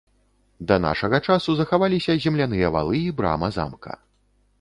Да нашага часу захаваліся земляныя валы і брама замка.